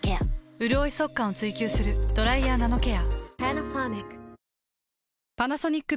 うるおい速乾を追求する「ドライヤーナノケア」。